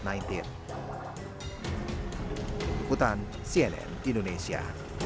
keputan cnn indonesia